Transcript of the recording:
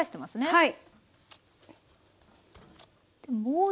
はい。